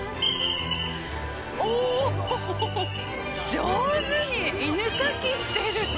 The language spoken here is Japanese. お、上手に犬かきしてる！